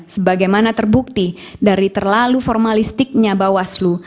sebagaimana terbukti dari terlalu formalistiknya bawaslu